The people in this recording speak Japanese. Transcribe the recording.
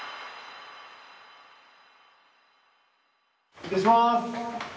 失礼します。